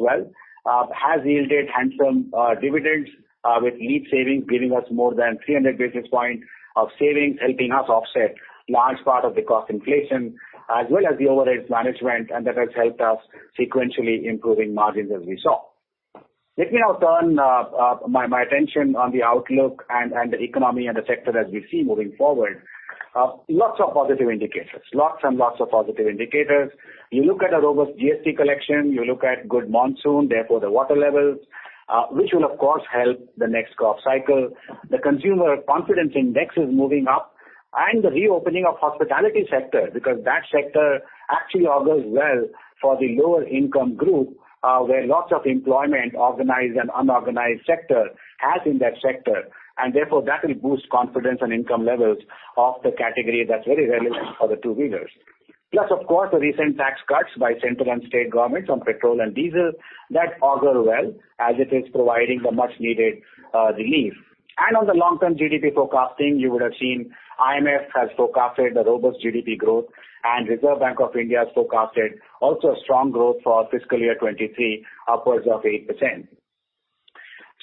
As well has yielded handsome dividends with LEAP savings giving us more than 300 basis points of savings, helping us offset large part of the cost inflation as well as the overhead management, and that has helped us sequentially improving margins as we saw. Let me now turn my attention on the outlook and the economy and the sector as we see moving forward. Lots of positive indicators. Lots and lots of positive indicators. You look at a robust GST collection, you look at good monsoon, therefore the water levels, which will of course help the next crop cycle. The consumer confidence index is moving up and the reopening of hospitality sector because that sector actually augurs well for the lower income group, where lots of employment, organized and unorganized sector, as in that sector, and therefore that will boost confidence and income levels of the category that's very relevant for the two-wheelers. Of course, the recent tax cuts by central and state governments on petrol and diesel, that augur well as it is providing the much needed relief. On the long-term GDP forecasting, you would have seen IMF has forecasted a robust GDP growth and Reserve Bank of India has forecasted also a strong growth for fiscal year 2023, upwards of 8%.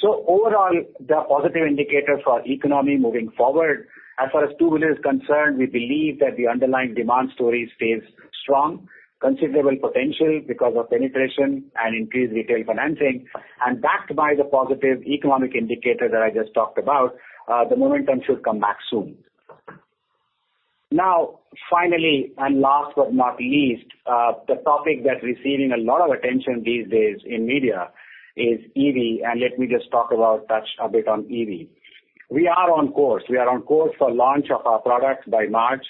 Overall, the positive indicators for economy moving forward. As far as two-wheeler is concerned, we believe that the underlying demand story stays strong. Considerable potential because of penetration and increased retail financing, and backed by the positive economic indicator that I just talked about, the momentum should come back soon. Now, finally, last but not least, the topic that's receiving a lot of attention these days in media is EV, and let me just touch a bit on EV. We are on course for launch of our products by March.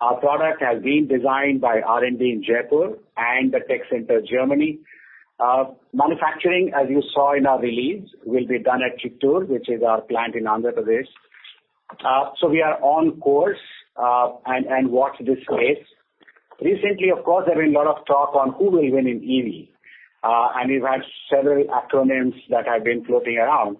Our product has been designed by R&D in Jaipur and the tech center, Germany. Manufacturing, as you saw in our release, will be done at Chittoor, which is our plant in Andhra Pradesh. So we are on course, and watch this space. Recently, of course, there have been a lot of talk on who will win in EV, and we've had several acronyms that have been floating around.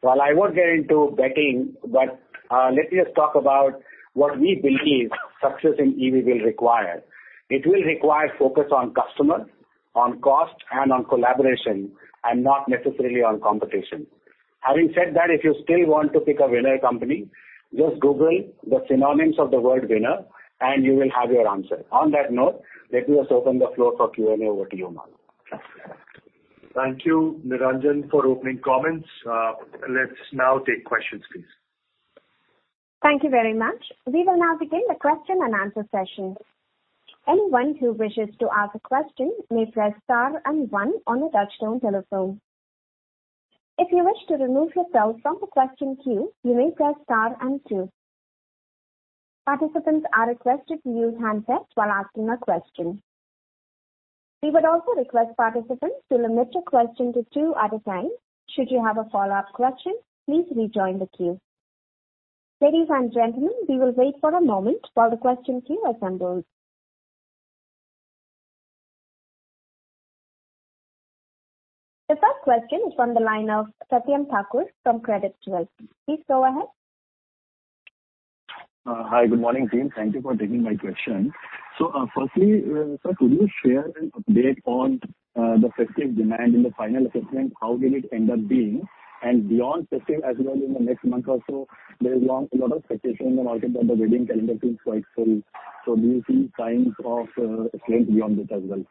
While I won't get into betting, but let me just talk about what we believe success in EV will require. It will require focus on customer, on cost, and on collaboration, and not necessarily on competition. Having said that, if you still want to pick a winner company, just Google the synonyms of the word winner and you will have your answer. On that note, let me just open the floor for Q&A. Over to you, Rahul. Thank you, Niranjan, for opening comments. Let's now take questions, please. Thank you very much. We will now begin the question and answer session. Anyone who wishes to ask a question may press star and one on a touchtone telephone. If you wish to remove yourself from the question queue, you may press star and two. Participants are requested to use handsets while asking a question. We would also request participants to limit a question to two at a time. Should you have a follow-up question, please rejoin the queue. Ladies and gentlemen, we will wait for a moment while the question queue assembles. The first question is from the line of Satyam Thakur from Credit Suisse. Please go ahead. Hi. Good morning, team. Thank you for taking my question. Firstly, sir, could you share an update on the festive demand in the final assessment, how will it end up being? Beyond festive as well in the next month or so, there is a lot of expectation in the market that the wedding calendar is quite full. Do you see signs of a trend beyond it as well?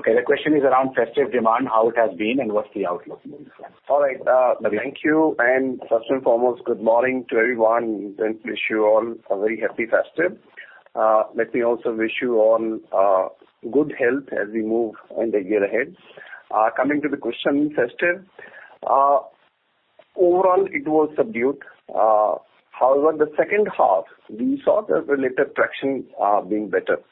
Okay, the question is around festive demand, how it has been and what's the outlook moving forward. All right, thank you. First and foremost, good morning to everyone. Let me wish you all a very happy festive. Let me also wish you all good health as we move in the year ahead. Coming to the question, festive overall, it was subdued. However, the second half we saw there was a little traction being better.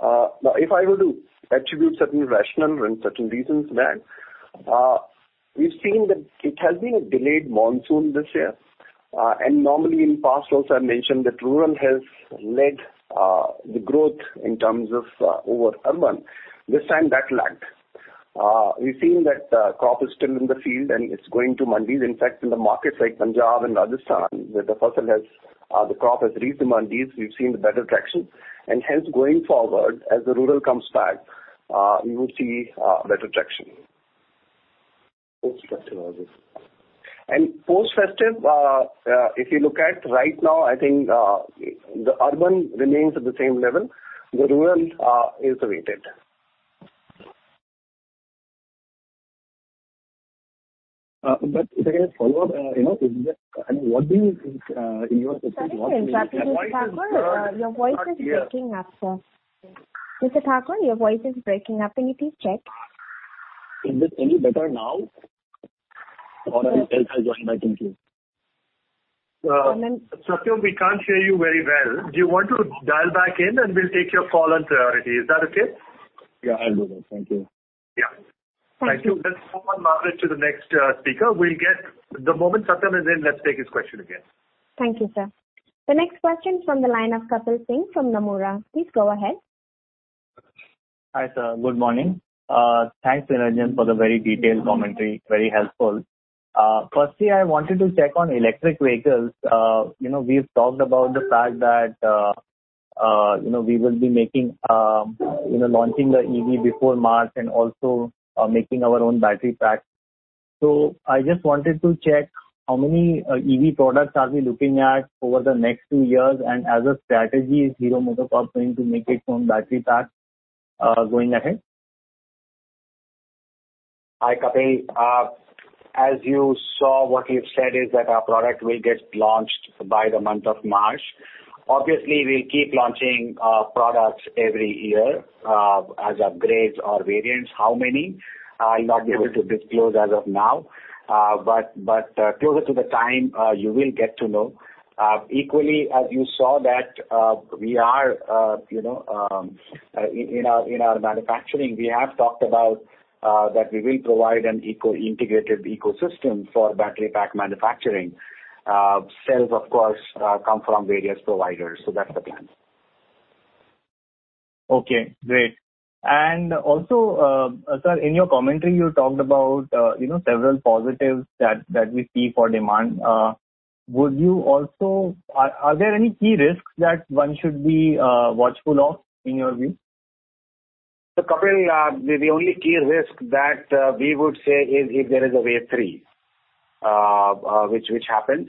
Now if I were to attribute certain rationale and certain reasons there, we've seen that it has been a delayed monsoon this year. Normally in past also I mentioned that rural has led the growth in terms of over urban. This time that lagged. We've seen that crop is still in the field and it's going to mandis. In fact, in the markets like Punjab and Rajasthan, where the kharif has, the crop has reached the mandis, we've seen a better traction. Hence going forward, as the rural comes back, we would see better traction. Post-festive also. Post festive, if you look at right now, I think, the urban remains at the same level. The rural is weighted. If I can follow up, you know, I mean, what do you think in your. Sorry, Satyam Thakur, your voice is breaking up, sir. Mr. Thakur, your voice is breaking up. Can you please check? Is it any better now? Or else I'll join back in queue. Satyam. Satyam, we can't hear you very well. Do you want to dial back in and we'll take your call on priority? Is that okay? Yeah, I'll do that. Thank you. Yeah. Thank you. Thank you. Let's move on, Madhuri, to the next speaker. We'll get the moment Satyam is in, let's take his question again. Thank you, sir. The next question from the line of Kapil Singh from Nomura. Please go ahead. Hi, sir. Good morning. Thanks, Niranjan, for the very detailed commentary. Very helpful. Firstly, I wanted to check on electric vehicles. You know, we've talked about the fact that you know, we will be making you know, launching the EV before March and also making our own battery pack. So I just wanted to check how many EV products are we looking at over the next two years? And as a strategy, is Hero MotoCorp going to make its own battery pack going ahead? Hi, Kapil. As you saw, what we've said is that our product will get launched by the month of March. Obviously, we'll keep launching products every year as upgrades or variants. How many? I'll not be able to disclose as of now. Closer to the time, you will get to know. Equally, as you saw that we are, you know, in our manufacturing, we have talked about that we will provide an integrated ecosystem for battery pack manufacturing. Cells, of course, come from various providers, so that's the plan. Okay, great. Also, sir, in your commentary, you talked about, you know, several positives that we see for demand. Are there any key risks that one should be watchful of, in your view? Kapil, the only key risk that we would say is if there is a wave three, which happens.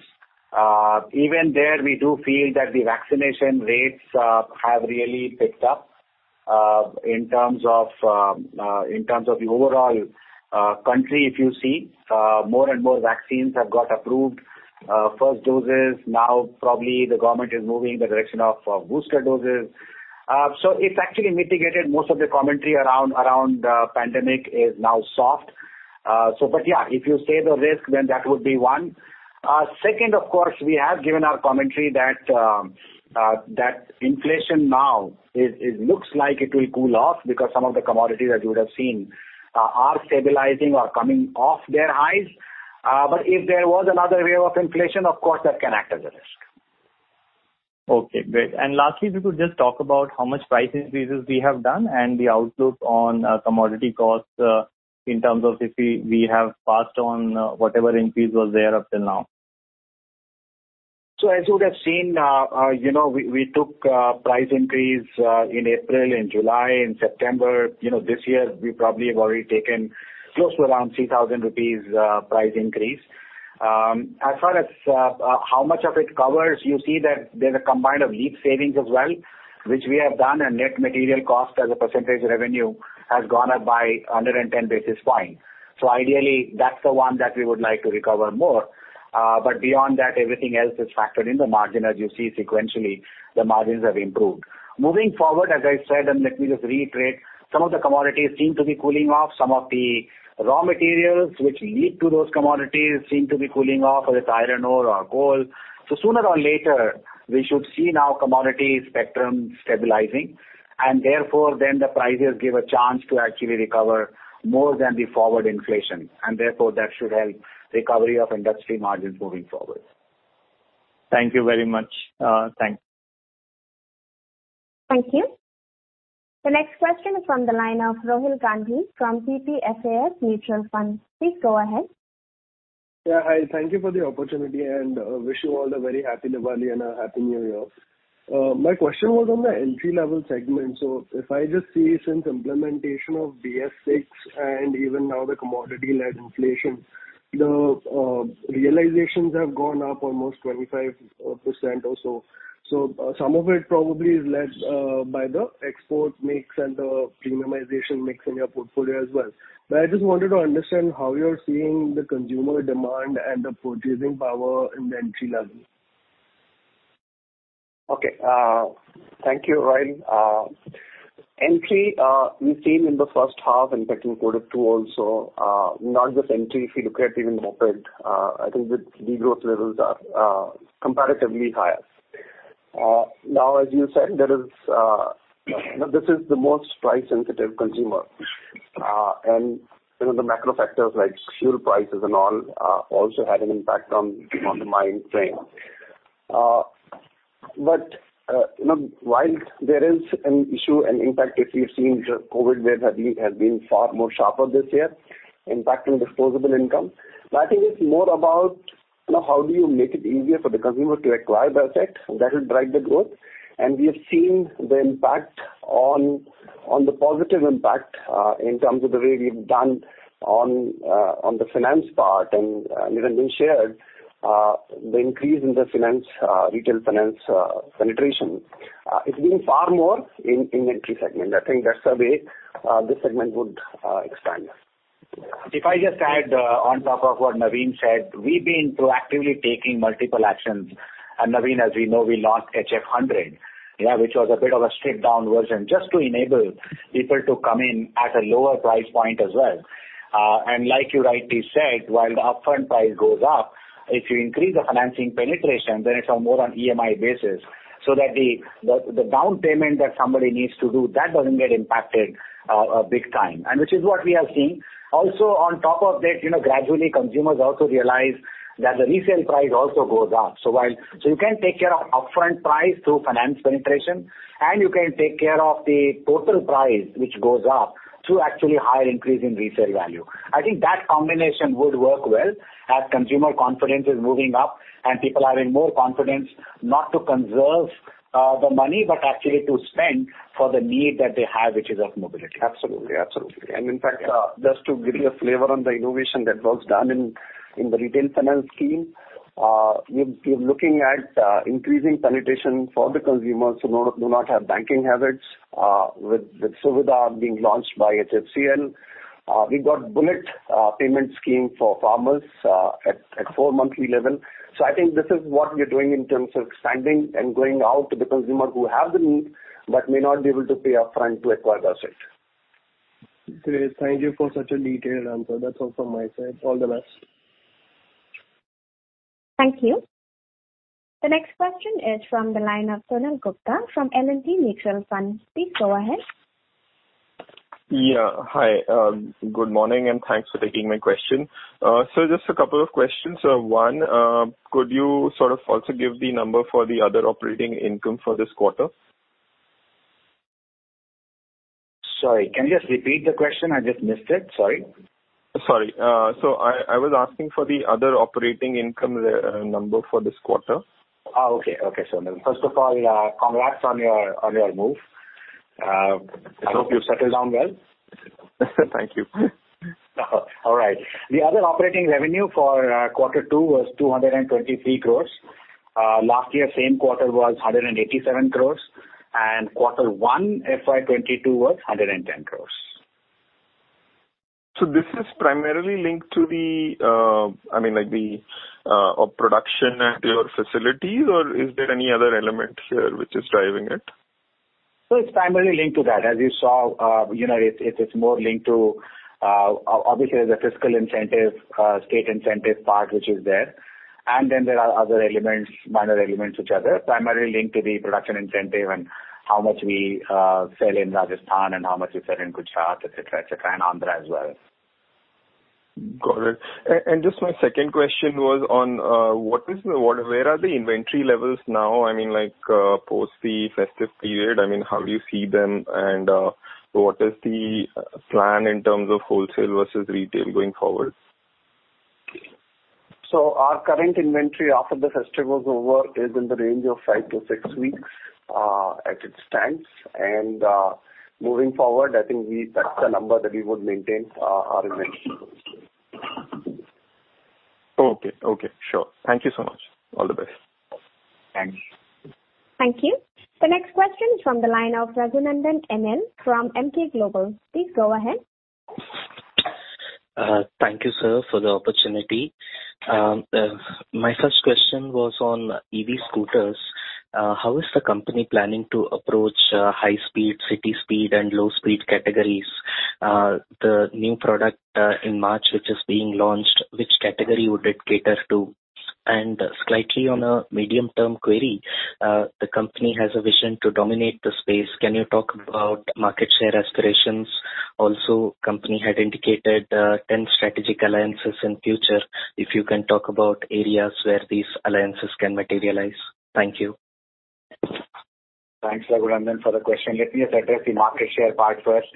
Even there, we do feel that the vaccination rates have really picked up. In terms of the overall country, if you see, more and more vaccines have got approved. First doses, now probably the government is moving in the direction of booster doses. It's actually mitigated most of the commentary around pandemic is now soft. But yeah, if you say the risk, then that would be one. Second, of course, we have given our commentary that inflation now is looks like it will cool off because some of the commodities that you would have seen are stabilizing or coming off their highs. If there was another wave of inflation, of course, that can act as a risk. Okay, great. Lastly, if you could just talk about how much price increases we have done and the outlook on commodity costs in terms of if we have passed on whatever increase was there up till now? As you would have seen, you know, we took price increase in April, in July, in September. You know, this year we probably have already taken close to around 3,000 rupees price increase. As far as how much of it covers, you see that there's a combined of LEAP savings as well, which we have done, and net material cost as a percentage of revenue has gone up by 110 basis points. Ideally, that's the one that we would like to recover more. But beyond that, everything else is factored in the margin. As you see sequentially, the margins have improved. Moving forward, as I said, and let me just reiterate, some of the commodities seem to be cooling off. Some of the raw materials which lead to those commodities seem to be cooling off, whether it's iron ore or coal. Sooner or later, we should see the commodity spectrum stabilizing, and therefore, then the prices give a chance to actually recover more than the forward inflation. Therefore, that should help recovery of industry margins moving forward. Thank you very much. Thanks. Thank you. The next question is from the line of Rohil Gandhi from PPFAS Mutual Fund. Please go ahead. Yeah. Hi, thank you for the opportunity and wish you all a very Happy Diwali and a Happy New Year. My question was on the entry-level segment. If I just see since implementation of BS-VI and even now the commodity-led inflation, the realizations have gone up almost 25% or so. Some of it probably is led by the export mix and the premiumization mix in your portfolio as well. I just wanted to understand how you're seeing the consumer demand and the purchasing power in the entry-level. Okay. Thank you, Rohil. Entry, we've seen in the first half, in fact, in quarter two also, not just entry, if you look at even moped, I think the de-growth levels are comparatively higher. Now, as you said, there is this most price-sensitive consumer. You know, the macro factors like fuel prices and all also had an impact on the mind frame. While there is an issue and impact, as we've seen, the COVID wave has been far sharper this year, impacting disposable income. I think it's more about, you know, how do you make it easier for the consumer to acquire the asset that will drive the growth. We have seen the positive impact in terms of the way we've done on the finance part and Naveen shared the increase in retail finance penetration. It's been far more in the entry segment. I think that's the way this segment would expand. If I just add, on top of what Naveen said, we've been proactively taking multiple actions. Naveen, as we know, we launched HF 100, yeah, which was a bit of a stripped-down version just to enable people to come in at a lower price point as well. Like you rightly said, while the upfront price goes up, if you increase the financing penetration, then it's more on EMI basis. That the down payment that somebody needs to do doesn't get impacted big time, and which is what we have seen. Also on top of that, you know, gradually consumers also realize that the resale price also goes up. You can take care of upfront price through finance penetration, and you can take care of the total price which goes up through actually higher increase in resale value. I think that combination would work well as consumer confidence is moving up and people are in more confidence not to conserve the money, but actually to spend for the need that they have, which is of mobility. Absolutely. In fact, just to give you a flavor on the innovation that was done in the retail finance scheme, we're looking at increasing penetration for the consumers who do not have banking habits, with Suvidha being launched by Hero FinCorp. We've got bullet payment scheme for farmers at four-monthly level. I think this is what we are doing in terms of expanding and going out to the consumer who have the need but may not be able to pay upfront to acquire the asset. Great. Thank you for such a detailed answer. That's all from my side. All the best. Thank you. The next question is from the line of Sonal Gupta from L&T Mutual Fund. Please go ahead. Yeah. Hi. Good morning, and thanks for taking my question. Just a couple of questions. One, could you sort of also give the number for the other operating income for this quarter? Sorry, can you just repeat the question? I just missed it. Sorry. Sorry. I was asking for the other operating income number for this quarter. Oh, okay. Okay. First of all, congrats on your move. I hope you've settled down well. Thank you. All right. The other operating revenue for quarter two was 223 Crores. Last year same quarter was 187 Crores, and quarter one FY 2022 was 110 Crores. This is primarily linked to the, I mean, like the, production at your facilities or is there any other element here which is driving it? It's primarily linked to that. As you saw, you know, it's more linked to obviously the fiscal incentive, state incentive part which is there. Then there are other elements, minor elements which are there, primarily linked to the production incentive and how much we sell in Rajasthan and how much we sell in Gujarat, et cetera, and Andhra as well. Got it. Just my second question was on where the inventory levels are now. I mean, like, post the festive period, I mean, how do you see them and what is the plan in terms of wholesale versus retail going forward? Our current inventory after the festive was over is in the range of five-five weeks, as it stands. Moving forward, I think that's the number that we would maintain, our inventory. Okay. Okay. Sure. Thank you so much. All the best. Thank you. Thank you. The next question is from the line of Raghunandhan N L from Emkay Global. Please go ahead. Thank you, sir, for the opportunity. My first question was on EV scooters. How is the company planning to approach high-speed, city speed, and low-speed categories? The new product in March, which is being launched, which category would it cater to? Slightly on a medium-term query, the company has a vision to dominate the space. Can you talk about market share aspirations? Also, company had indicated 10 strategic alliances in future. If you can talk about areas where these alliances can materialize. Thank you. Thanks, Raghunandhan for the question. Let me just address the market share part first.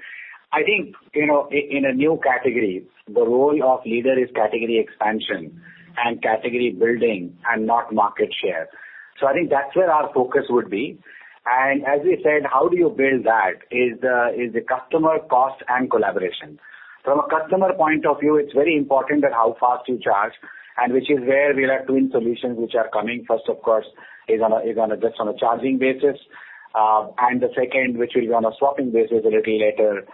I think, you know, in a new category, the role of leader is category expansion and category building and not market share. I think that's where our focus would be. As we said, how do you build that is the customer cost and collaboration. From a customer point of view, it's very important that how fast you charge and which is where we have twin solutions which are coming. First, of course, just on a charging basis. And the second, which will be on a swapping basis a little later,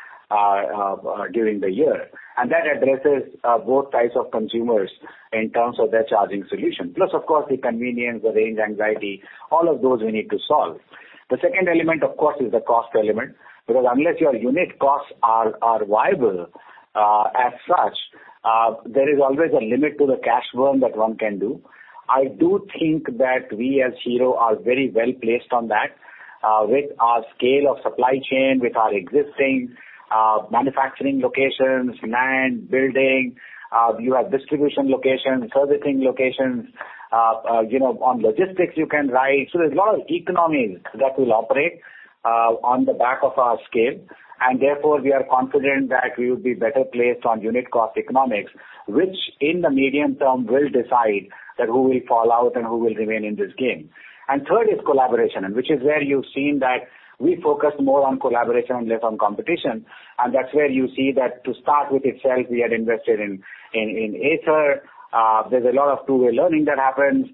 during the year. That addresses both types of consumers in terms of their charging solution. Plus, of course, the convenience, the range anxiety, all of those we need to solve. The second element, of course, is the cost element, because unless your unit costs are viable, as such, there is always a limit to the cash burn that one can do. I do think that we as Hero are very well placed on that, with our scale of supply chain, with our existing, manufacturing locations, land, building, you have distribution locations, servicing locations, you know, on logistics you can ride. There's a lot of economies that will operate, on the back of our scale, and therefore we are confident that we would be better placed on unit cost economics, which in the medium term will decide that who will fall out and who will remain in this game. Third is collaboration, which is where you've seen that we focus more on collaboration than on competition. That's where you see that to start with itself, we have invested in Ather. There's a lot of two-way learning that happens.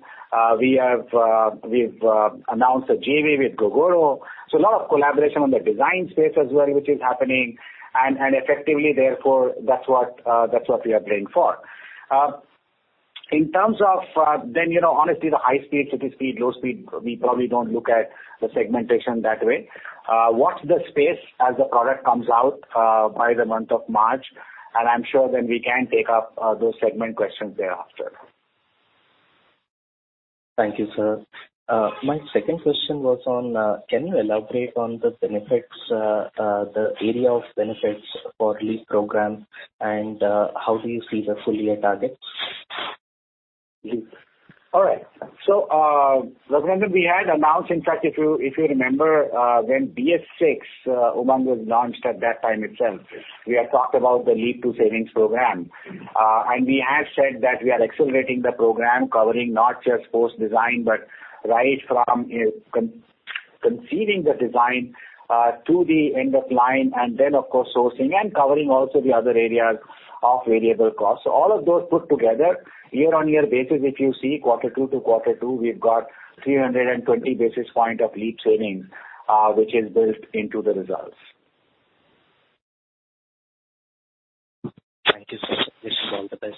We've announced a JV with Gogoro. A lot of collaboration on the design space as well, which is happening, and effectively therefore that's what we are playing for. In terms of then, you know, honestly, the high-speed, city speed, low-speed, we probably don't look at the segmentation that way. Watch this space as the product comes out by the month of March. I'm sure then we can take up those segment questions thereafter. Thank you, sir. My second question was on, can you elaborate on the benefits, the area of benefits for LEAP program and, how do you see the full year targets? All right. Raghunandhan, we had announced, in fact, if you remember, when BS-VI, Umang was launched at that time itself, we had talked about the LEAP-II savings program. We have said that we are accelerating the program, covering not just post-design, but right from conceiving the design, to the end of line, and then of course sourcing and covering also the other areas of variable costs. All of those put together, year-on-year basis, if you see quarter two to quarter two, we've got 320 basis points of LEAP savings, which is built into the results. Thank you, sir. Wish you all the best.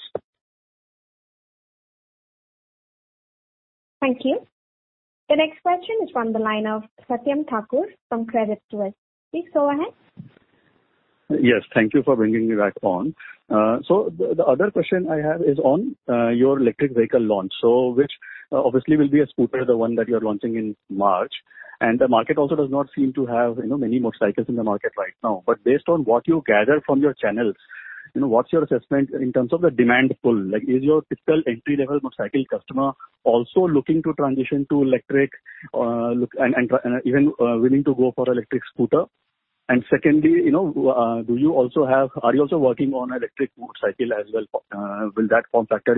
Thank you. The next question is from the line of Satyam Thakur from Credit Suisse. Please go ahead. Yes. Thank you for bringing me back on. The other question I have is on your electric vehicle launch. Which obviously will be a scooter, the one that you're launching in March. The market also does not seem to have, you know, many motorcycles in the market right now. Based on what you gather from your channels, you know, what's your assessment in terms of the demand pull? Like, is your typical entry-level motorcycle customer also looking to transition to electric and even willing to go for electric scooter? Secondly, you know, are you also working on electric motorcycle as well? Is that form factor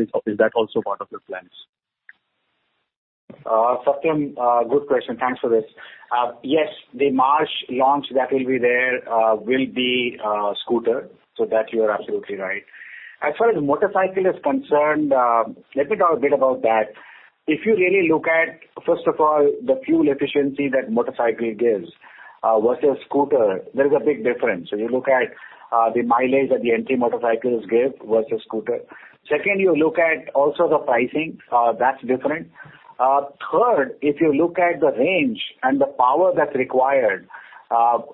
also part of your plans? Satyam, good question. Thanks for this. Yes, the March launch that will be there will be scooter. That you are absolutely right. As far as motorcycle is concerned, let me talk a bit about that. If you really look at first of all, the fuel efficiency that motorcycle gives versus scooter, there is a big difference when you look at the mileage that the entry motorcycles give versus scooter. Second, you look at also the pricing, that's different. Third, if you look at the range and the power that's required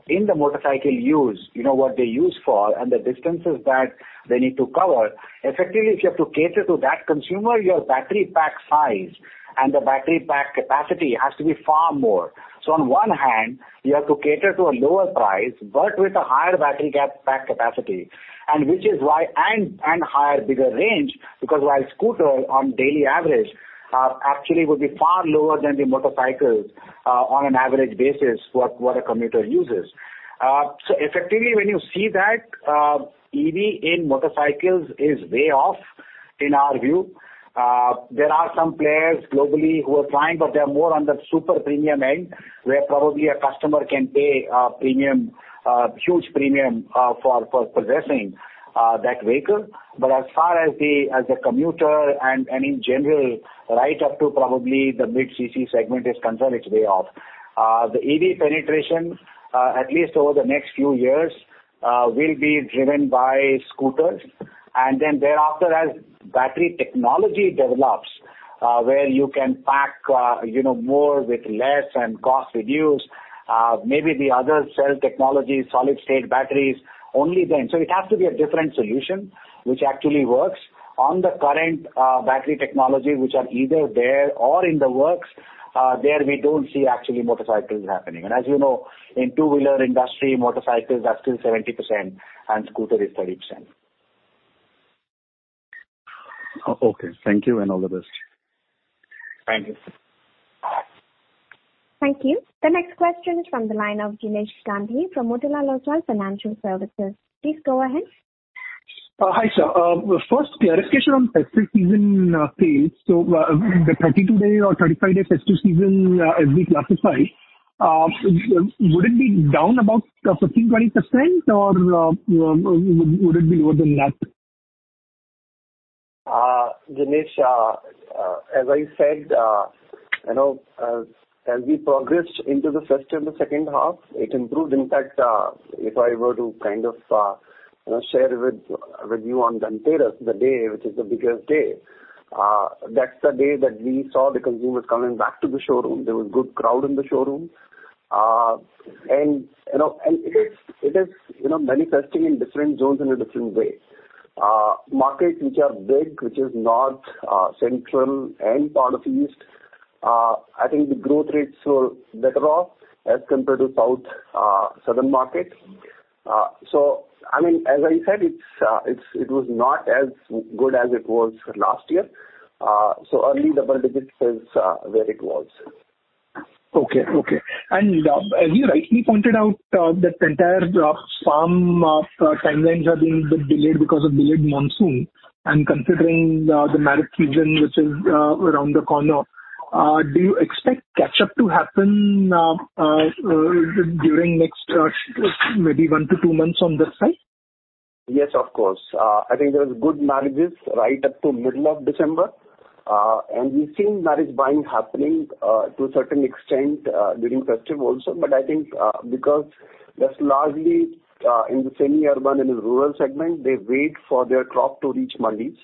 in the motorcycle use, you know, what they use for and the distances that they need to cover. Effectively, if you have to cater to that consumer, your battery pack size and the battery pack capacity has to be far more. On one hand, you have to cater to a lower price, but with a higher battery cap, pack capacity. Which is why higher, bigger range, because while scooter on daily average, actually would be far lower than the motorcycles, on an average basis what a commuter uses. Effectively when you see that, EV in motorcycles is way off in our view. There are some players globally who are trying, but they're more on the super premium end, where probably a customer can pay a premium, huge premium, for possessing that vehicle. But as far as the commuter and in general, right up to probably the mid CC segment is concerned, it's way off. The EV penetration, at least over the next few years, will be driven by scooters. Thereafter, as battery technology develops, where you can pack, you know, more with less and cost reduced, maybe the other cell technologies, solid state batteries, only then. It has to be a different solution which actually works on the current, battery technology, which are either there or in the works. There we don't see actually motorcycles happening. As you know, in two-wheeler industry, motorcycles are still 70% and scooter is 30%. Okay. Thank you and all the best. Thank you. Thank you. The next question is from the line of Jinesh Gandhi from Motilal Oswal Financial Services. Please go ahead. Hi, sir. First clarification on festive season sales. The 32-day or 35-day festive season, as we classify, would it be down about 15%-20% or would it be more than that? Jinesh, as I said, you know, as we progressed into the first and the second half, it improved. In fact, if I were to kind of, you know, share with you on Dhanteras, the day which is the biggest day, that's the day that we saw the consumers coming back to the showroom. There was good crowd in the showroom. You know, it is manifesting in different zones in a different way. Markets which are big, which is north, central and part of east, I think the growth rates were better off as compared to south, southern market. I mean, as I said, it was not as good as it was last year. Early double digits is where it was. Okay. As you rightly pointed out, that entire timelines are being a bit delayed because of the delayed monsoon and considering the marriage season, which is around the corner, do you expect catch up to happen during the next maybe one-two1 months on this side? Yes, of course. I think there was good marriages right up to middle of December. We've seen marriage buying happening to a certain extent during festive also. I think because that's largely in the semi-urban and the rural segment, they wait for their crop to reach mandis.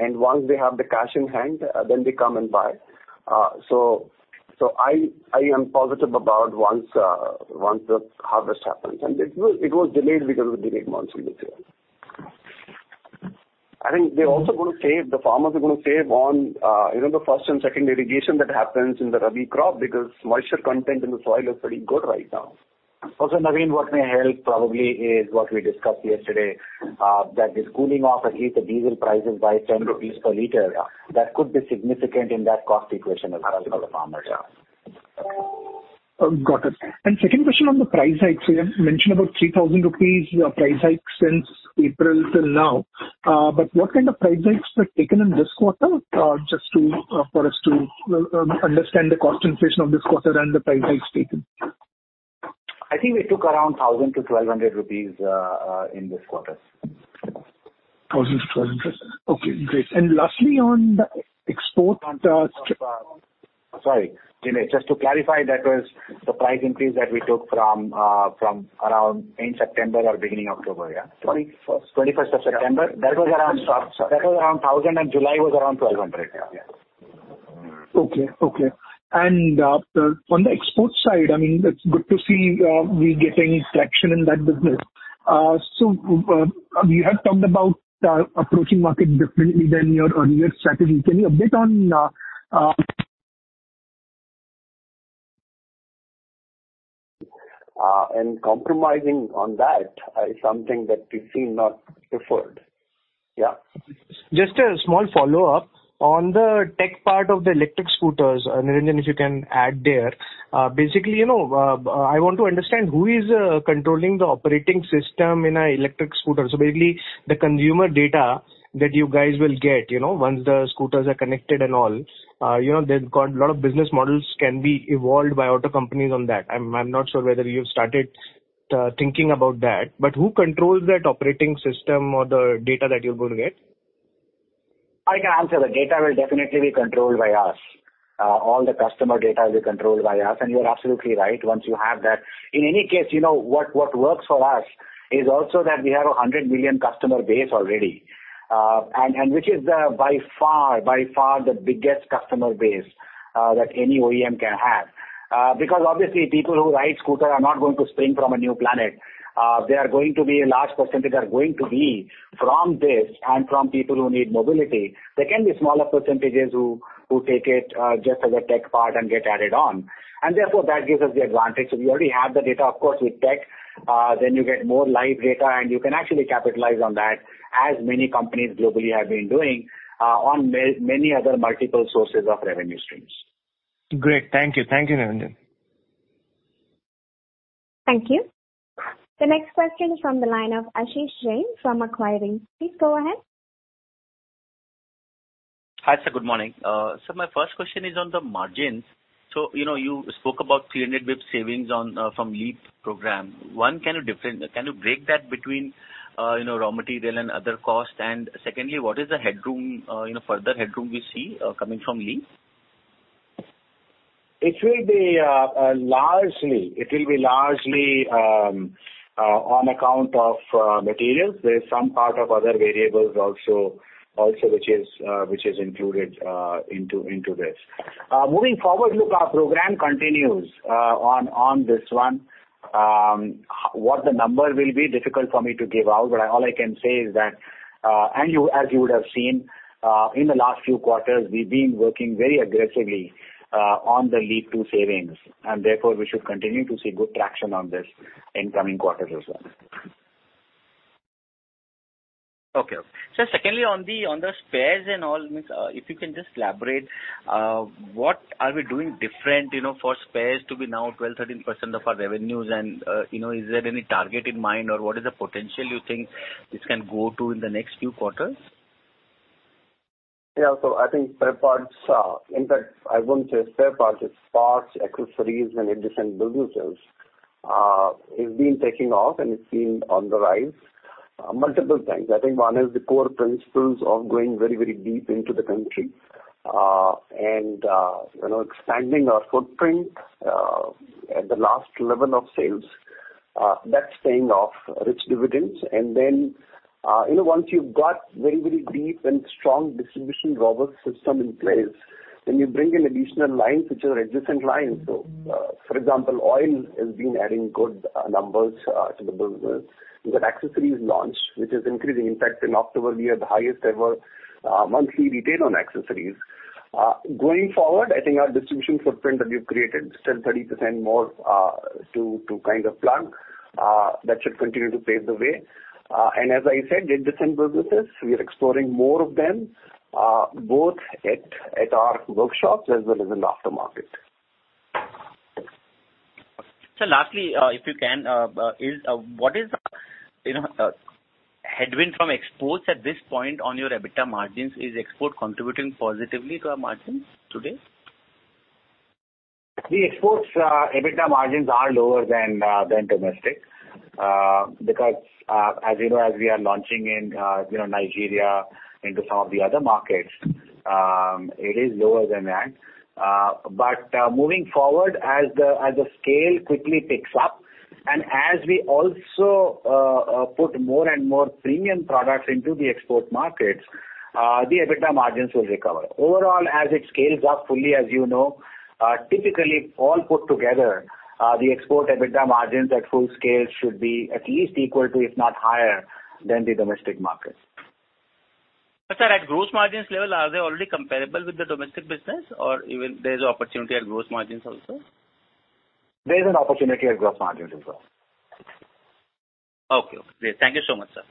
Once they have the cash in hand, then they come and buy. So I am positive about once the harvest happens. It was delayed because of the late monsoons this year. I think the farmers are gonna save on, you know, the first and second irrigation that happens in the Rabi crop because moisture content in the soil is pretty good right now. Also, Naveen, what may help probably is what we discussed yesterday, that this cooling off has hit the diesel prices by 10 rupees per liter. Yeah. That could be significant in that cost equation as well for the farmer. Yeah. Got it. Second question on the price hikes. You had mentioned about 3,000 rupees price hike since April till now. What kind of price hikes were taken in this quarter? Just to understand the cost inflation of this quarter and the price hikes taken. I think we took around 1000-1200 rupees in this quarter. 1,000-1,200 rupees. Okay, great. Lastly, on the export. Sorry, Jinesh, just to clarify, that was the price increase that we took from around end September or beginning October, yeah. Twenty-first. Twenty-first of September. That was around. Sorry. That was around 1,000, and July was around 1,200. Yeah. Okay, on the export side, I mean, that's good to see, we getting traction in that business. You had talked about approaching market differently than your earlier strategy. Can you update on? Compromising on that is something that we've seen not preferred. Yeah. Just a small follow-up. On the tech part of the electric scooters, Niranjan, if you can add there. Basically, you know, I want to understand who is controlling the operating system in an electric scooter. Basically, the consumer data that you guys will get, you know, once the scooters are connected and all, you know, they've got a lot of business models can be evolved by auto companies on that. I'm not sure whether you've started thinking about that, but who controls that operating system or the data that you're going to get? I can answer that. Data will definitely be controlled by us. All the customer data will be controlled by us. You're absolutely right. Once you have that. In any case, you know, what works for us is also that we have 100 million customer base already, and which is by far the biggest customer base that any OEM can have. Because obviously people who ride scooter are not going to spring from a new planet. They are going to be a large percentage are going to be from this and from people who need mobility. There can be smaller percentages who take it just as a tech part and get added on. Therefore, that gives us the advantage. We already have the data, of course, with tech. You get more live data, and you can actually capitalize on that, as many companies globally have been doing, on many other multiple sources of revenue streams. Great. Thank you. Thank you, Niranjan. Thank you. The next question is from the line of Ashish Jain from Macquarie. Please go ahead. Hi, sir. Good morning. My first question is on the margins. You know, you spoke about 300 basis points savings from LEAP program. One, can you break that between, you know, raw material and other costs? Secondly, what is the headroom, you know, further headroom we see coming from LEAP? It will be largely on account of materials. There is some part of other variables also which is included into this. Moving forward, look, our program continues on this one. What the number will be is difficult for me to give out. All I can say is that as you would have seen in the last few quarters, we've been working very aggressively on the LEAP-II savings, and therefore we should continue to see good traction on this in coming quarters as well. Okay. Secondly, on the spares and all, I mean, if you can just elaborate what are we doing different, you know, for spares to be now 12%-13% of our revenues? You know, is there any target in mind or what is the potential you think this can go to in the next few quarters? Yeah. I think. In fact, I wouldn't say spare parts. It's parts, accessories and adjacent businesses. It's been taking off and it's been on the rise multiple times. I think one is the core principles of going very, very deep into the country, and you know, expanding our footprint at the last level of sales. That's paying off rich dividends. Then, you know, once you've got very, very deep and strong distribution robust system in place, you bring in additional lines which are adjacent lines. For example, oil has been adding good numbers to the business. We've got accessories launch, which is increasing. In fact, in October, we had the highest ever monthly retail on accessories. Going forward, I think our distribution footprint that we've created, still 30% more to kind of plug, that should continue to pave the way. As I said, adjacent businesses, we are exploring more of them, both at our workshops as well as in aftermarket. Sir, lastly, if you can, what is, you know, headwind from exports at this point on your EBITDA margins? Is export contributing positively to our margins today? The export EBITDA margins are lower than domestic, because, as you know, as we are launching in, you know, Nigeria, into some of the other markets, it is lower than that. Moving forward, as the scale quickly picks up and as we also put more and more premium products into the export markets, the EBITDA margins will recover. Overall as it scales up fully, as you know, typically all put together, the export EBITDA margins at full scale should be at least equal to, if not higher than the domestic market. Sir, at gross margins level, are they already comparable with the domestic business or even there's opportunity at gross margins also? There is an opportunity at gross margin as well. Okay. Great. Thank you so much, sir.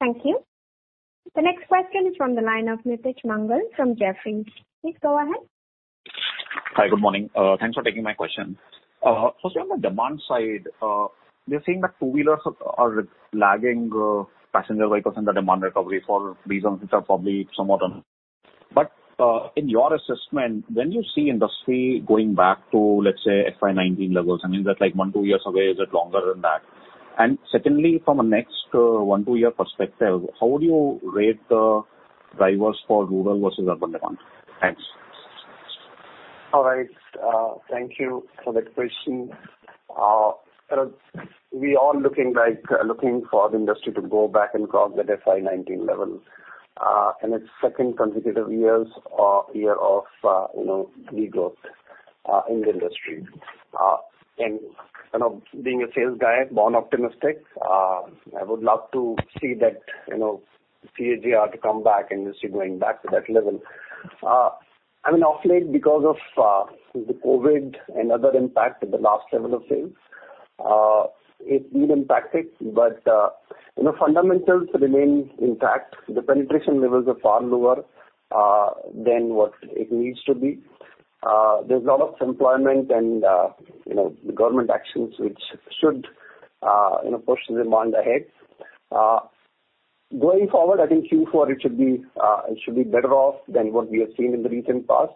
Thank you. The next question is from the line of Nitij Mangal from Jefferies. Please go ahead. Hi. Good morning. Thanks for taking my question. So sir on the demand side, they're saying that two-wheelers are lagging passenger vehicles in the demand recovery for reasons which are probably somewhat unknown. In your assessment, when you see industry going back to, let's say FY 2019 levels, I mean, is that like one, two years away? Is it longer than that? Secondly, from a next one, two-year perspective, how would you rate the drivers for rural versus urban demand? Thanks. All right. Thank you for that question. We are looking for the industry to go back and cross that FY 2019 level. It's the second consecutive year of, you know, regrowth in the industry. You know, being a sales guy, born optimistic, I would love to see that, you know, CAGR to come back and just see going back to that level. I mean, of late because of the COVID and other impact at the last level of sales, it did impact it. You know, fundamentals remain intact. The penetration levels are far lower than what it needs to be. There's a lot of employment and, you know, government actions which should, you know, push the demand ahead. Going forward, I think Q4 it should be better off than what we have seen in the recent past.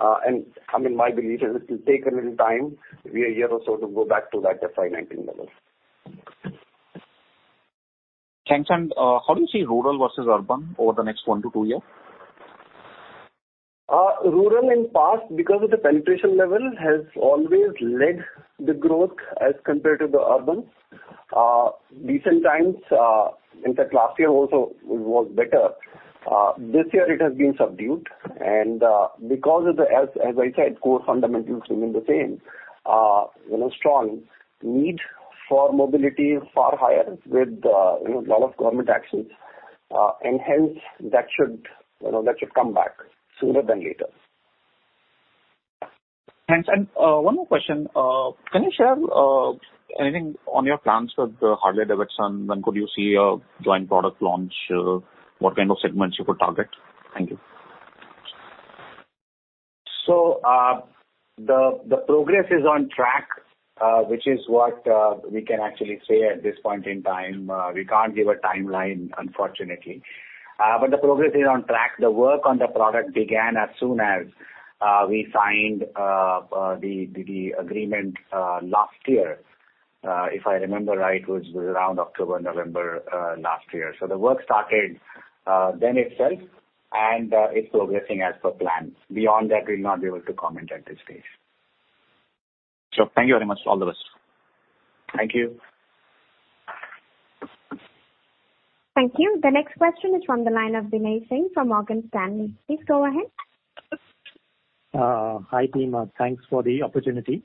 I mean, my belief is it will take a little time, a year or so to go back to that FY 2019 level. Thanks. How do you see rural versus urban over the next one-two year? Rural in past because of the penetration level has always led the growth as compared to the urban. Recent times, in fact last year also it was better. This year it has been subdued and, because, as I said, core fundamentals remain the same. You know, strong need for mobility far higher with, you know, lot of government actions, and hence that should, you know, that should come back sooner than later. Thanks. One more question. Can you share anything on your plans with Harley-Davidson? When could you see a joint product launch? What kind of segments you could target? Thank you. The progress is on track, which is what we can actually say at this point in time. We can't give a timeline, unfortunately. The progress is on track. The work on the product began as soon as we signed the agreement last year. If I remember right, it was around October, November last year. The work started then itself and it's progressing as per plan. Beyond that, we'll not be able to comment at this stage. Sure. Thank you very much to all of us. Thank you. Thank you. The next question is from the line of Binay Singh from Morgan Stanley. Please go ahead. Hi, team. Thanks for the opportunity.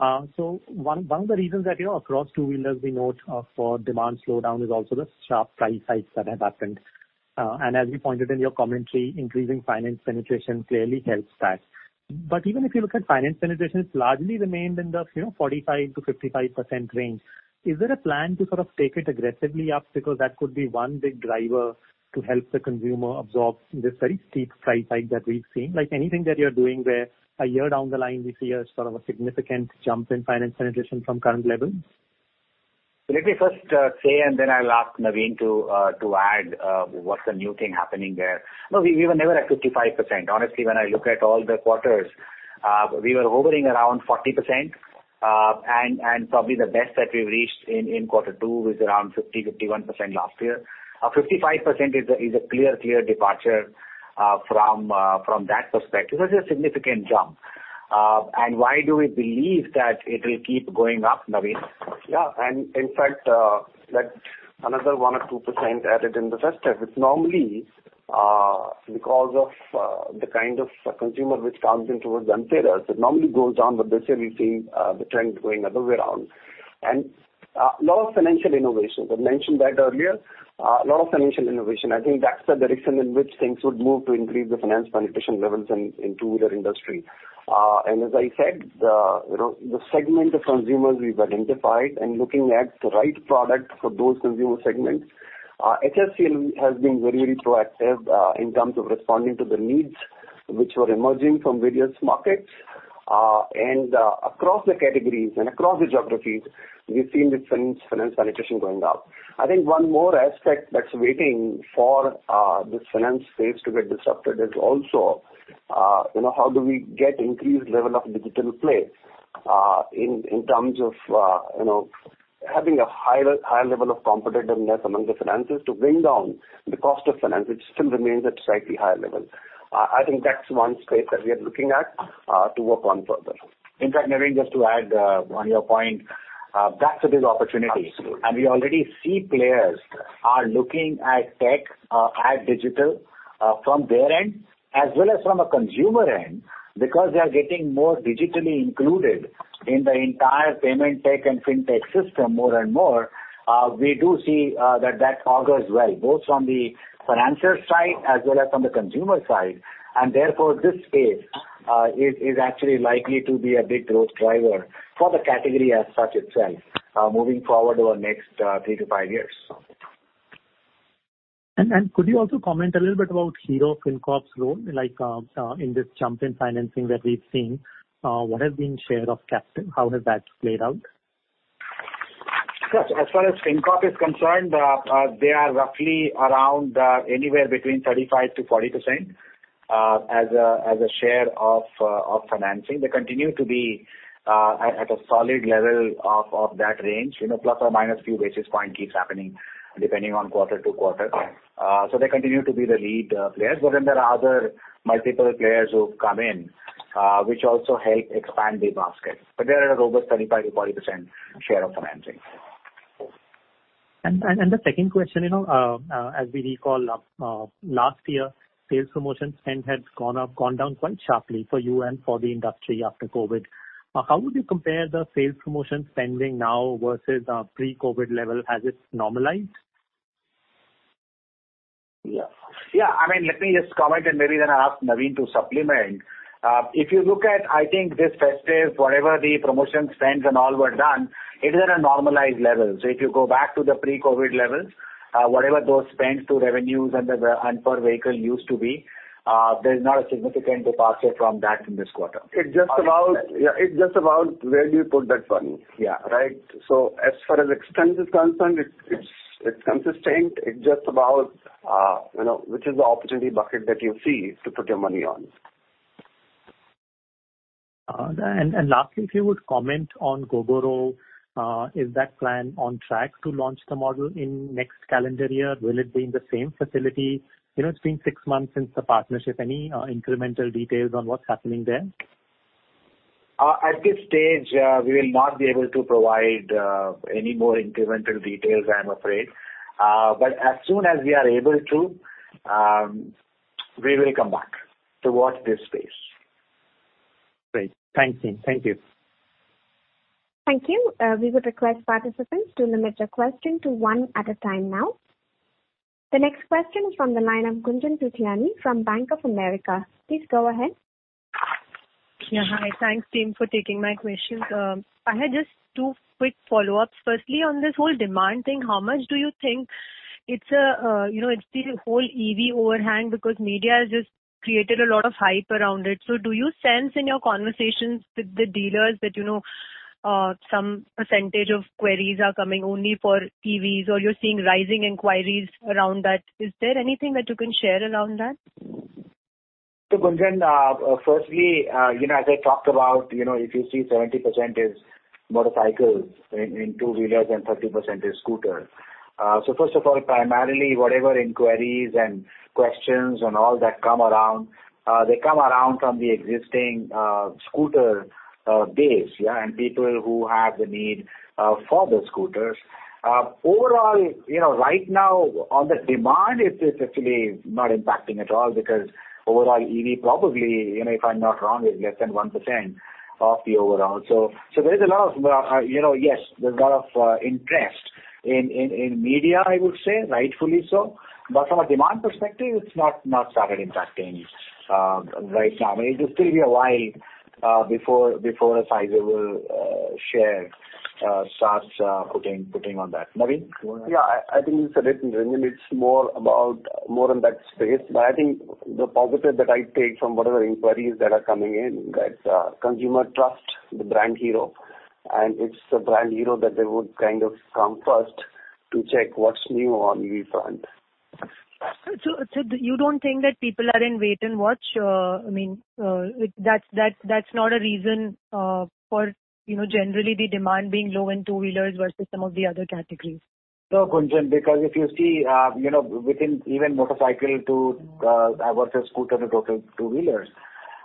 One of the reasons that you are seeing across two-wheelers we note for demand slowdown is also the sharp price hikes that have happened. As you pointed in your commentary, increasing finance penetration clearly helps that. Even if you look at finance penetration, it's largely remained in the, you know, 45%-55% range. Is there a plan to sort of take it aggressively up? Because that could be one big driver to help the consumer absorb this very steep price hike that we've seen. Like anything that you're doing where a year down the line we see a sort of a significant jump in finance penetration from current levels. Let me first say and then I'll ask Naveen to add what's the new thing happening there. No, we were never at 55%. Honestly, when I look at all the quarters, we were hovering around 40%, and probably the best that we've reached in quarter two is around 50%-51% last year. 55% is a clear departure from that perspective. This is a significant jump. Why do we believe that it will keep going up, Naveen? Yeah. In fact, that another 1% or 2% added in the first half. It's normally because of the kind of consumer which comes in towards year-end. It normally goes down, but this year we've seen the trend going the other way around. Lot of financial innovations, I mentioned that earlier. Lot of financial innovation. I think that's the direction in which things would move to increase the finance penetration levels in the two-wheeler industry. As I said, you know, the segment of consumers we've identified and looking at the right product for those consumer segments. HDFC has been very, very proactive in terms of responding to the needs which were emerging from various markets. Across the categories and across the geographies, we've seen the finance penetration going up. I think one more aspect that's waiting for this finance space to get disrupted is also, you know, how do we get increased level of digital play in terms of, you know, having a higher level of competitiveness among the financers to bring down the cost of finance, which still remains at slightly higher level. I think that's one space that we are looking at to work on further. In fact, Naveen, just to add, on your point, that's a big opportunity. Absolutely. We already see players are looking at tech, at digital, from their end as well as from a consumer end because they are getting more digitally included in the entire payment tech and fintech system more and more. We do see that that augurs well, both from the financier side as well as from the consumer side. Therefore, this space is actually likely to be a big growth driver for the category as such itself, moving forward over next three-five years. Could you also comment a little bit about Hero FinCorp's role, like, in this jump in financing that we've seen? What has been share of captive, how has that played out? Sure. As far as FinCorp is concerned, they are roughly around anywhere between 35%-40% as a share of financing. They continue to be at a solid level of that range. You know, plus or minus few basis points keeps happening depending on quarter-to-quarter. They continue to be the lead players. There are other multiple players who've come in, which also help expand the basket. They're at a robust 35%-40% share of financing. The second question, you know, as we recall, last year, sales promotion spend has gone down quite sharply for you and for the industry after COVID. How would you compare the sales promotion spending now versus pre-COVID level as it's normalized? I mean, let me just comment and maybe then I'll ask Naveen to supplement. If you look at, I think, this festive, whatever the promotion spends and all were done, it is at a normalized level. If you go back to the pre-COVID levels, whatever those spends to revenues and the, and per vehicle used to be, there's not a significant departure from that in this quarter. It's just about, yeah, it's just about where do you put that money? Yeah. Right? As far as expense is concerned, it's consistent. It's just about, you know, which is the opportunity bucket that you see to put your money on. Lastly, if you would comment on Gogoro. Is that plan on track to launch the model in next calendar year? Will it be in the same facility? You know, it's been six months since the partnership. Any incremental details on what's happening there? At this stage, we will not be able to provide any more incremental details, I'm afraid. As soon as we are able to, we will come back. Watch this space. Great. Thanks, team. Thank you. Thank you. We would request participants to limit their question to one at a time now. The next question is from the line of Gunjan Prithyani from Bank of America. Please go ahead. Yeah. Hi. Thanks, team, for taking my questions. I had just two quick follow-ups. Firstly, on this whole demand thing, how much do you think it's, you know, it's the whole EV overhang because media has just created a lot of hype around it. Do you sense in your conversations with the dealers that, you know, some percentage of queries are coming only for EVs or you're seeing rising inquiries around that? Is there anything that you can share around that? Gunjan, firstly, you know, as I talked about, you know, if you see 70% is motorcycles in two-wheelers and 30% is scooter. First of all, primarily whatever inquiries and questions and all that come around, they come around from the existing scooter base, yeah. And people who have the need for the scooters. Overall, you know, right now on the demand it is actually not impacting at all because overall EV probably, you know, if I'm not wrong, is less than 1% of the overall. There is a lot of, you know, yes, there's a lot of interest in media I would say, rightfully so. But from a demand perspective, it's not started impacting right now. I mean, it'll still be a while before a sizable share starts putting on that. Naveen? Yeah. I think you said it. I mean, it's more about more on that space. I think the positive that I take from whatever inquiries that are coming in that consumers trust the brand Hero, and it's the brand Hero that they would kind of come first to check what's new on EV front. You don't think that people are in wait and watch? I mean, that's not a reason for, you know, generally the demand being low in two-wheelers versus some of the other categories? No, Gunjan, because if you see, you know, within EV and motorcycle two versus scooter two total two-wheelers,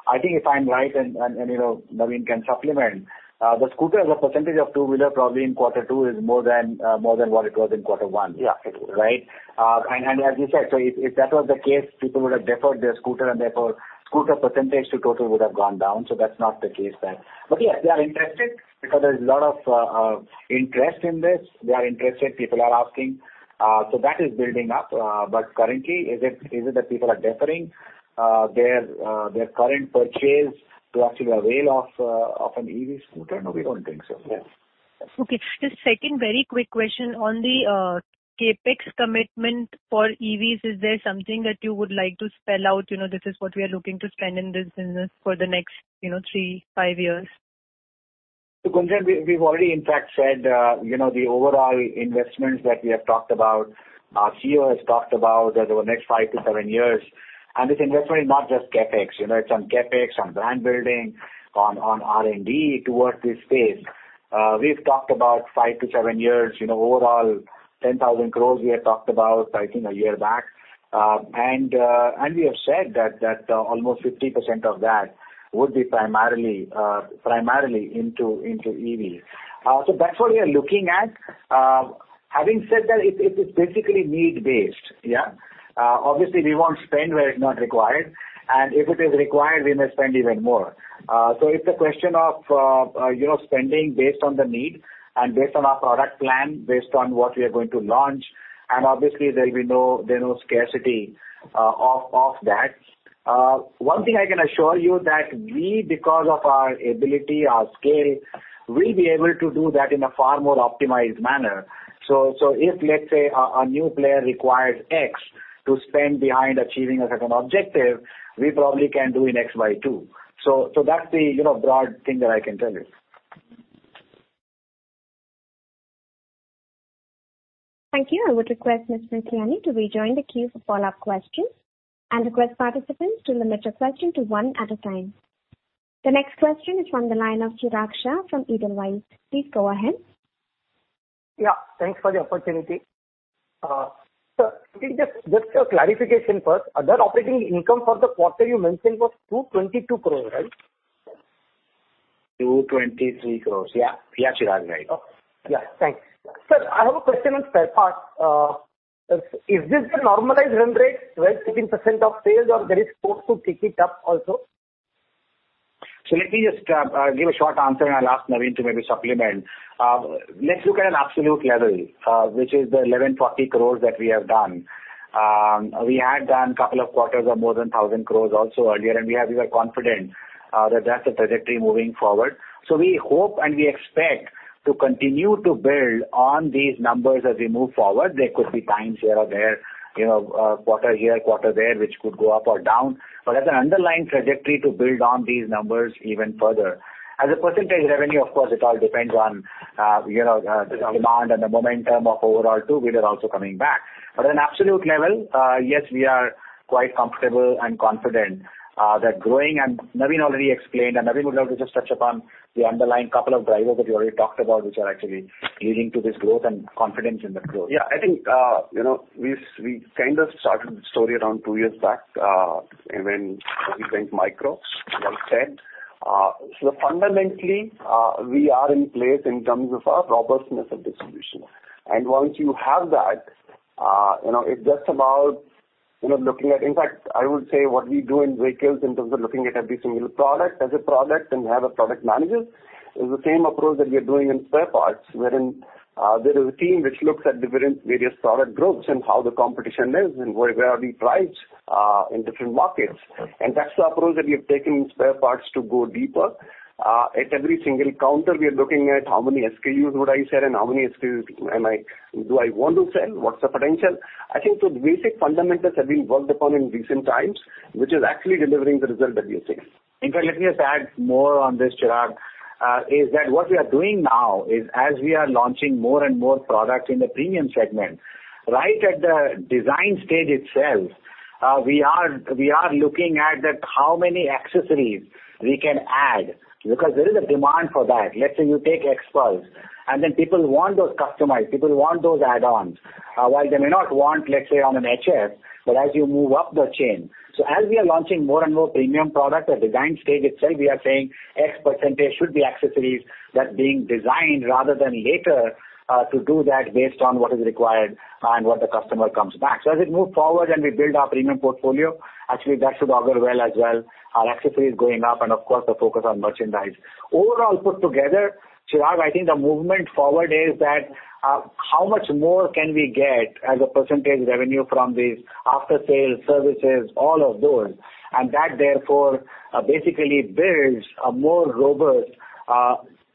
I think if I'm right and you know, Naveen can supplement, the scooter as a percentage of two-wheeler probably in quarter two is more than what it was in quarter one. Yeah. Right? As you said, so if that was the case, people would have deferred their scooter and therefore scooter percentage to total would have gone down. That's not the case there. Yeah, they are interested because there is a lot of interest in this. They are interested, people are asking. That is building up. Currently is it that people are deferring their current purchase to actually avail of an EV scooter? No, we don't think so. Yeah. Okay. Just second very quick question on the CapEx commitment for EVs. Is there something that you would like to spell out? You know, this is what we are looking to spend in this business for the next, you know, three, five years. Gunjan, we've already in fact said, you know, the overall investments that we have talked about, our CEO has talked about over the next five to seven years. This investment is not just CapEx, you know. It's on CapEx, on brand building, on R&D towards this space. We've talked about five to seven years, you know, overall 10,000 Crore we had talked about, I think, a year back. We have said that almost 50% of that would be primarily into EV. That's what we are looking at. Having said that, it is basically need-based, yeah. Obviously we won't spend where it's not required, and if it is required, we may spend even more. It's a question of, you know, spending based on the need and based on our product plan, based on what we are going to launch. Obviously, there are no scarcity of that. One thing I can assure you that we, because of our ability, our scale, we'll be able to do that in a far more optimized manner. So, if let's say a new player requires X to spend behind achieving a certain objective, we probably can do in X by two. So, that's the, you know, broad thing that I can tell you. Thank you. I would request Mr. Prithyani to rejoin the queue for follow-up questions, and request participants to limit your question to one at a time. The next question is from the line of Chirag Shah from Edelweiss. Please go ahead. Yeah, thanks for the opportunity. Sir, just a clarification first. Other operating income for the quarter you mentioned was 222 Crores, right? 223 Crores. Yeah. Yeah, Chirag, right. Okay. Yeah, thanks. Sir, I have a question on spare parts. Is this the normalized run rate, 12%-15% of sales or there is scope to pick it up also? Let me just give a short answer, and I'll ask Naveen to maybe supplement. Let's look at an absolute level, which is the 1,140 Crores that we have done. We had done a couple of quarters of more than 1,000 Crores also earlier, and we are confident that that's the trajectory moving forward. We hope, and we expect to continue to build on these numbers as we move forward. There could be times here or there, you know, quarter here, quarter there, which could go up or down. As an underlying trajectory to build on these numbers even further. As a percentage revenue, of course it all depends on, you know, the demand and the momentum of overall two-wheeler also coming back. At an absolute level, yes, we are quite comfortable and confident that growing and Naveen already explained, and Naveen would love to just touch upon the underlying couple of drivers that you already talked about, which are actually leading to this growth and confidence in that growth. Yeah, I think, you know, we kind of started the story around two years back, when we went micros, like I said. So fundamentally, we are in place in terms of our robustness of distribution. Once you have that, you know, it's just about, you know, looking at. In fact, I would say what we do in vehicles in terms of looking at every single product as a product and have a product manager is the same approach that we are doing in spare parts, wherein there is a team which looks at different various product groups and how the competition is and where we are priced in different markets. Okay. That's the approach that we have taken in spare parts to go deeper. At every single counter we are looking at how many SKUs would I sell and how many SKUs do I want to sell? What's the potential? I think the basic fundamentals have been worked upon in recent times, which is actually delivering the result that we are seeing. In fact, let me just add more on this, Chirag, what we are doing now is as we are launching more and more products in the premium segment, right at the design stage itself, we are looking at how many accessories we can add because there is a demand for that. Let's say you take Xpulse, and then people want those customized, people want those add-ons. While they may not want, let's say, on an HF, but as you move up the chain. As we are launching more and more premium product at design stage itself, we are saying X percentage should be accessories that being designed rather than later, to do that based on what is required and what the customer comes back. As we move forward and we build our premium portfolio, actually that should augur well as well. Our accessories going up and of course the focus on merchandise. Overall put together, Chirag, I think the movement forward is that, how much more can we get as a percentage revenue from these aftersales services, all of those, and that therefore, basically builds a more robust,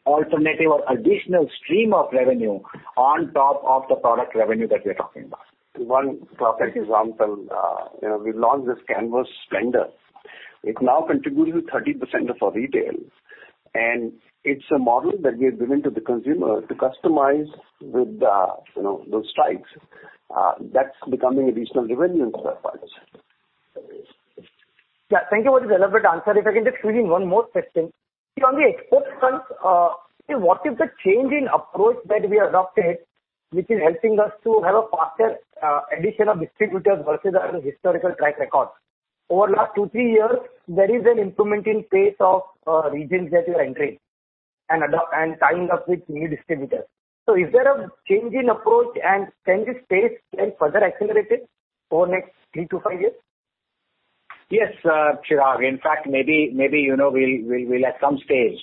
alternative or additional stream of revenue on top of the product revenue that we're talking about. One perfect example, we launched this Canvas Splendor. It now contributes 30% of our retail, and it's a model that we have given to the consumer to customize with those stripes, that's becoming a decent revenue in spare parts. Yeah, thank you for the elaborate answer. If I can just squeeze in one more question. On the export front, what is the change in approach that we adopted which is helping us to have a faster addition of distributors versus our historical track record? Over last two-three years, there is an improvement in pace of regions that you're entering and tying up with new distributors. Is there a change in approach and can this pace get further accelerated over next three-five years? Yes, Chirag. In fact, maybe you know, we'll at some stage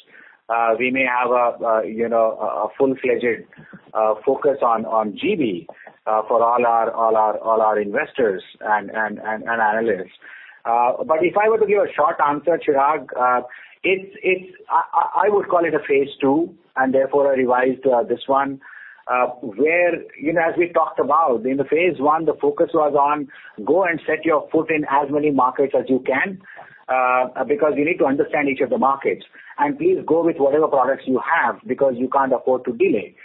we may have a you know, a full-fledged focus on GB for all our investors and analysts. But if I were to give a short answer, Chirag, it's I would call it a phase two and therefore I revised this one where you know, as we talked about in the phase one, the focus was on go and set your foot in as many markets as you can because you need to understand each of the markets, and please go with whatever products you have because you can't afford to delay.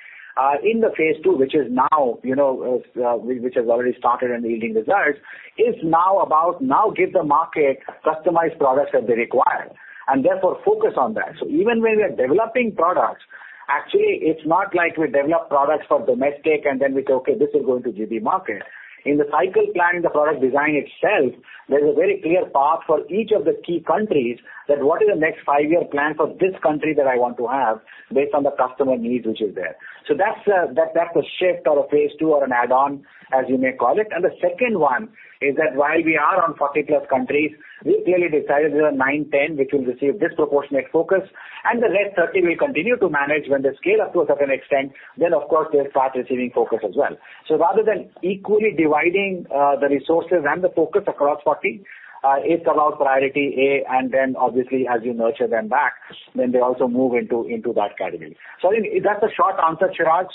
In the phase two, which is now, you know, which has already started and yielding results, is now about giving the market customized products that they require, and therefore focus on that. Even when we are developing products. Actually, it's not like we develop products for domestic and then we say, "Okay, this will go into global market." In the cycle planning, the product design itself, there's a very clear path for each of the key countries that what is the next five-year plan for this country that I want to have based on the customer needs which is there. That's a shift or a phase two or an add-on, as you may call it. The second one is that while we are on 40+ countries, we clearly decided there are nine, 10 which will receive disproportionate focus, and the rest 30 we continue to manage. When they scale up to a certain extent, then of course they'll start receiving focus as well. Rather than equally dividing the resources and the focus across 40, it allows priority A and then obviously as you nurture them back, then they also move into that category. Sorry, that's a short answer, Chirag.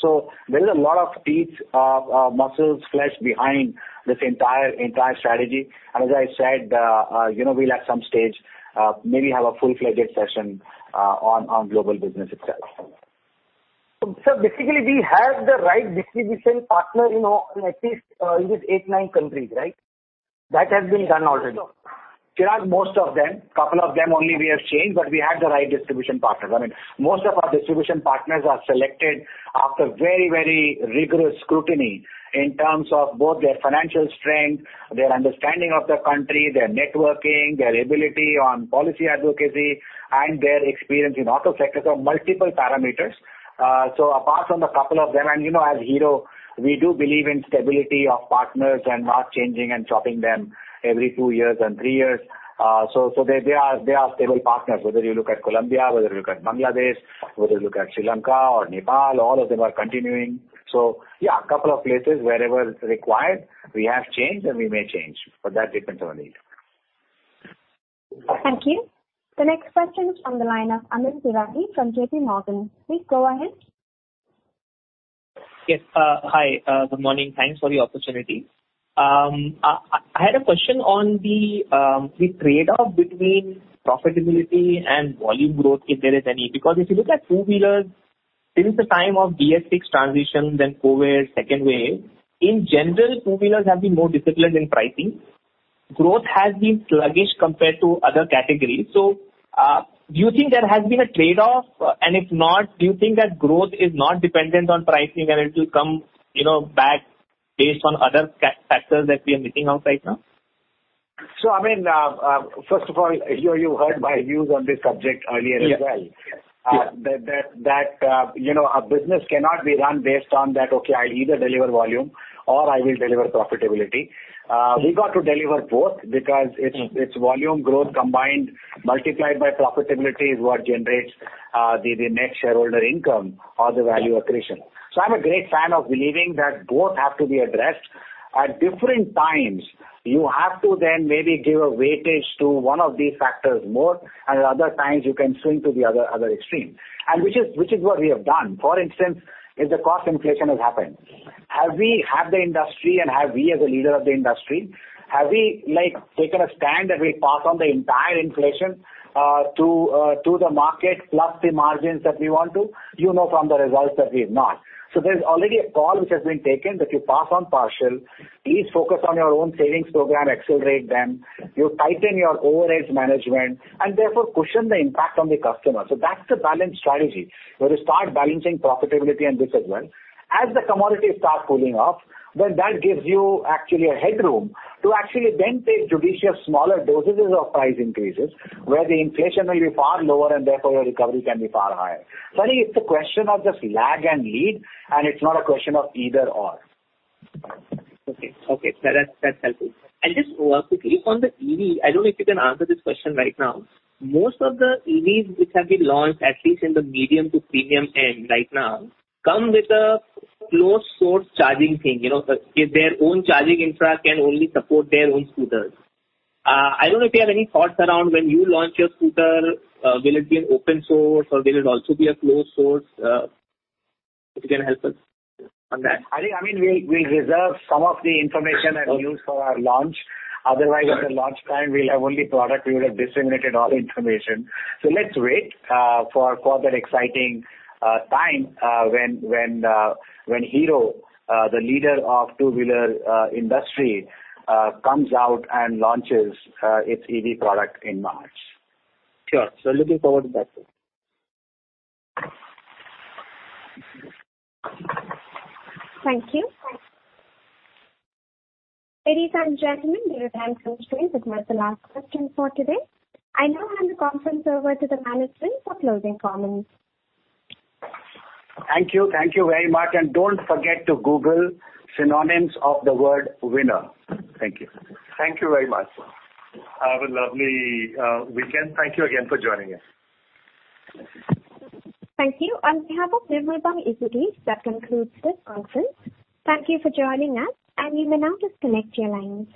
There is a lot of teeth, muscles, flesh behind this entire strategy. As I said, you know, we'll at some stage maybe have a full-fledged session on global business itself. Basically we have the right distribution partner, you know, at least, in these eight, nine countries, right? That has been done already. Chirag, most of them. Couple of them only we have changed, but we have the right distribution partners. I mean, most of our distribution partners are selected after very, very rigorous scrutiny in terms of both their financial strength, their understanding of the country, their networking, their ability on policy advocacy and their experience in auto sector. Multiple parameters. Apart from the couple of them, and you know, as Hero, we do believe in stability of partners and not changing and chopping them every two years and three years. They are stable partners, whether you look at Colombia, whether you look at Bangladesh, whether you look at Sri Lanka or Nepal, all of them are continuing. Yeah, a couple of places wherever it is required, we have changed and we may change. That depends on need. Thank you. The next question is from the line of Amyn Pirani from J.P. Morgan. Please go ahead. Yes. Hi. Good morning. Thanks for the opportunity. I had a question on the trade-off between profitability and volume growth, if there is any. Because if you look at two-wheelers, since the time of BS-VI transition, then COVID, second wave, in general, two-wheelers have been more disciplined in pricing. Growth has been sluggish compared to other categories. Do you think there has been a trade-off? And if not, do you think that growth is not dependent on pricing and it will come, you know, back based on other factors that we are missing out right now? I mean, first of all, you heard my views on this subject earlier as well. Yes. Yes. Yes. You know, a business cannot be run based on that, "Okay, I'll either deliver volume or I will deliver profitability." We've got to deliver both because it's volume growth combined multiplied by profitability is what generates the net shareholder income or the value accretion. I'm a great fan of believing that both have to be addressed. At different times, you have to then maybe give a weightage to one of these factors more, and at other times you can swing to the other extreme. Which is what we have done. For instance, if the cost inflation has happened, has the industry and have we as a leader of the industry taken a stand that we pass on the entire inflation to the market plus the margins that we want to? You know from the results that we have not. There's already a call which has been taken that you pass on partial. Please focus on your own savings program, accelerate them. You tighten your overheads management and therefore cushion the impact on the customer. That's a balanced strategy, where you start balancing profitability and this as well. As the commodities start cooling off, then that gives you actually a headroom to actually then take judicious smaller dosages of price increases where the inflation will be far lower and therefore your recovery can be far higher. Sorry, it's a question of just lag and lead, and it's not a question of either/or. That's helpful. Just quickly on the EV, I don't know if you can answer this question right now. Most of the EVs which have been launched, at least in the medium to premium end right now, come with a closed-source charging thing. You know, if their own charging infra can only support their own scooters. I don't know if you have any thoughts around when you launch your scooter, will it be an open source or will it also be a closed source? If you can help us on that. I think, I mean, we reserve some of the information that we use for our launch. Otherwise at the launch time we'll have only product, we would have disseminated all information. Let's wait for that exciting time when Hero, the leader of two-wheeler industry, comes out and launches its EV product in March. Sure. Looking forward to that too. Thank you. Ladies and gentlemen, your time is through. That was the last question for today. I now hand the conference over to the management for closing comments. Thank you. Thank you very much. Don't forget to Google synonyms of the word winner. Thank you. Thank you very much. Have a lovely weekend. Thank you again for joining us. Thank you. On behalf of Nirmal Bang Institutional Equities, that concludes this conference. Thank you for joining us, and you may now disconnect your lines.